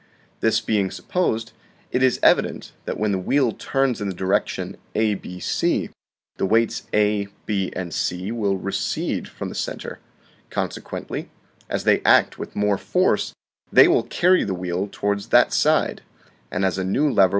This being supposed, it is evident that when the wheel turns in the direction ABC, the weights A, B, and C will recede from the center; consequently, as they act with more force, they will carry the wheel towards that side ; and as a new lever Fig.